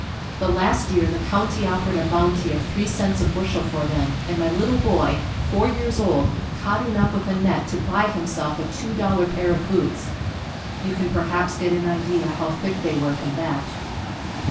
The last year the county offered a bounty of three cents a bushel for them and my little boy, four years old, caught enough with a net to buy himself a two dollar pair of boots. You can perhaps get an idea how thick they were from that.